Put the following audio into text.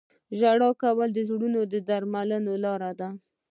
• ژړا کول د زړونو د درملنې لاره ده.